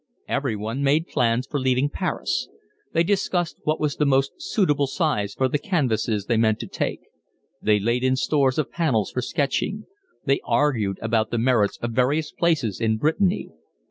Everyone made plans for leaving Paris; they discussed what was the most suitable size for the canvases they meant to take; they laid in stores of panels for sketching; they argued about the merits of various places in Brittany.